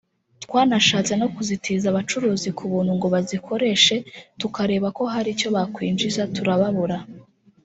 Twanashatse no kuzitiza abacuruzi ku buntu ngo bazikoreshe tukareba ko hari icyo bakwinjiza turababura